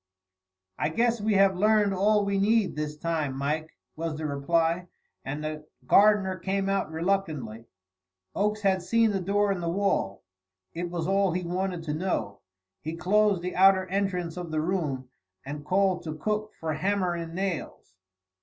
"I guess we have learned all we need this time, Mike," was the reply, and the gardener came out reluctantly. Oakes had seen the door in the wall: it was all he wanted to know. He closed the outer entrance of the room, and called to Cook for hammer and nails.